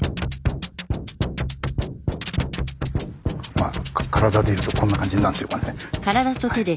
まあ体でいうとこんな感じになるんでしょうかね。